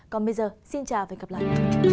còn bây giờ xin chào và hẹn gặp lại